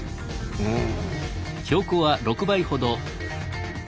うん。